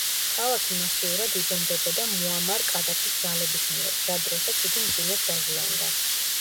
ქალაქი მასიურად იბომბებოდა მუამარ კადაფის ძალების მიერ, რა დროსაც იგი მძიმედ დაზიანდა.